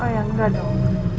oh ya enggak dong